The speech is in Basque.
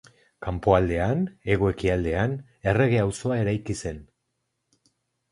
Kanpoaldean, hego-ekialdean, errege-auzoa eraiki zen.